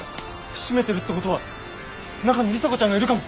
閉めてるってことは中に里紗子ちゃんがいるかも。